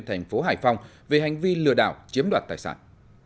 thành phố hải phòng về hành vi lừa đảo chiếm đoạt tài sản